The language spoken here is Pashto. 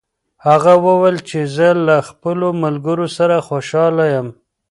هغه وویل چې زه له خپلو ملګرو سره خوشحاله یم.